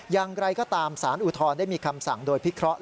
อย่างไรก็ตามสารอุทธรณ์ได้มีคำสั่งโดยพิเคราะห์